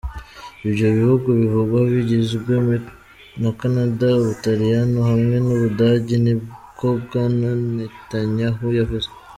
Ivyo bihugu bivugwa bigizwe na Canada, Ubutaliyano hamwe n'Ubudagi, niko Bwana Netanyahu yavuze.